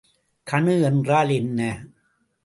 கணு என்றால் என்ன?